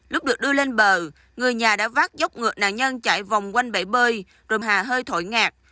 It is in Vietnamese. lúc được đưa lên bờ người nhà đã vác dốc ngược nạn nhân chạy vòng quanh bể bơi rồi hà hơi thổi ngạt